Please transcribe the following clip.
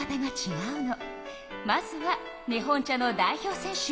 まずは日本茶の代表選手